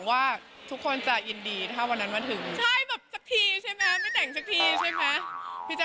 อยากให้ใกล้แล้วค่ะ